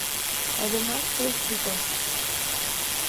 Además fue escritor.